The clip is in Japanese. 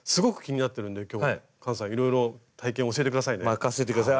任せて下さい。